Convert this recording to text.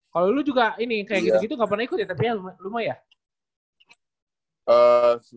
kalau dulu juga ini kayak gitu gitu nggak pernah ikut ya tapi ya lumayan